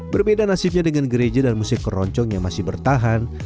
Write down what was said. berbeda nasibnya dengan gereja dan musik keroncong yang masih bertahan